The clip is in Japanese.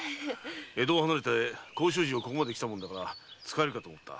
江戸を離れて甲州路をここまで来たもので使えるかと思った。